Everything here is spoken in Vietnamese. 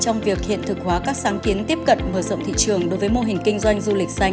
trong việc hiện thực hóa các sáng kiến tiếp cận mở rộng thị trường đối với mô hình kinh doanh du lịch xanh